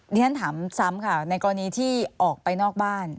เรียนถามซ้ำค่ะในกรณีที่ออกไปนอกบ้าน